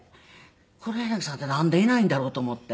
黒柳さんってなんでいないんだろうと思って。